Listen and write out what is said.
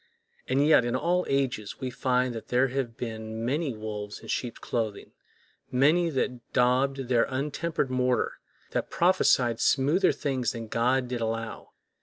And yet, in all ages, we find that there have been many wolves in sheep's clothing, many that daubed with untempered mortar, that prophesied smoother things than God did allow.